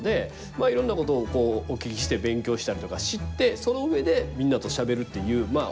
まあいろんなことをこうお聞きして勉強したりとか知ってその上でみんなとしゃべるっていうまあ